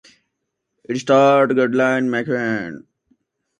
It starred Geraldine McEwan.